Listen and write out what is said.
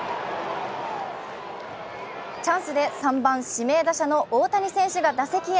チャンスで３番・指名打者の大谷選手が打席へ。